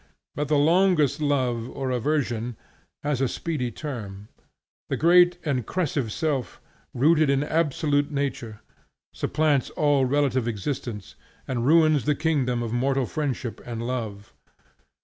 But the longest love or aversion has a speedy term. The great and crescive self, rooted in absolute nature, supplants all relative existence and ruins the kingdom of mortal friendship and love.